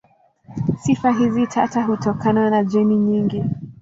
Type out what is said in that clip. Sifa hizi tata hutokana na jeni nyingi.